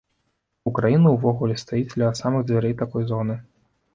Украіна ўвогуле стаіць ля самых дзвярэй такой зоны.